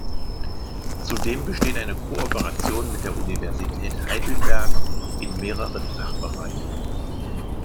Zudem besteht eine Kooperation mit der Universität Heidelberg in mehreren Fachbereichen.